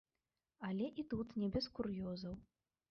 Але і тут не без кур'ёзаў.